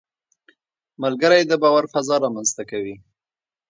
ملګری د باور فضا رامنځته کوي